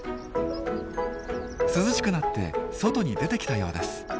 涼しくなって外に出てきたようです。